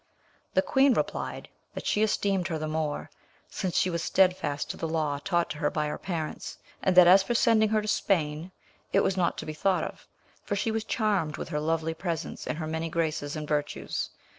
The queen replied that she esteemed her the more, since she was steadfast to the law taught her by her parents; and that as for sending her to Spain, it was not to be thought of, for she was charmed with her lovely presence and her many graces and virtues.